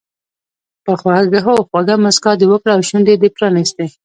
هو خوږه موسکا دې وکړه او شونډې دې پرانیستې.